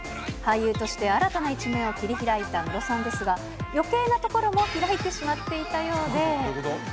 俳優として新たな一面を切り開いたムロさんですが、余計なところも開いてしまっていたようで。